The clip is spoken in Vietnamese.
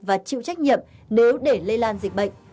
và chịu trách nhiệm nếu để lây lan dịch bệnh